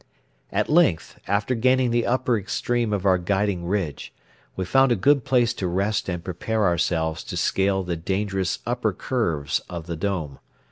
At length, after gaining the upper extreme of our guiding ridge, we found a good place to rest and prepare ourselves to scale the dangerous upper curves of the dome.